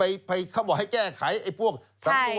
ที่เขาบอกให้แก้ไขไอ้พวกสามตัว